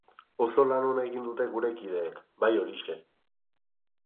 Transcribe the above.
Oso lan ona egin dute gure kideek, bai horixe.